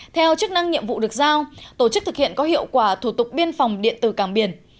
theo chức năng nhiệm vụ được giao tổ chức thực hiện có hiệu quả thủ tục biên phòng điện từ cảng biển